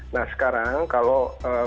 nah sekarang kalau